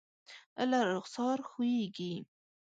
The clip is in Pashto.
له رخسار ښویېږي